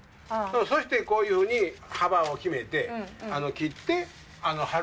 そしてこういうふうに幅を決めて切って貼る訳。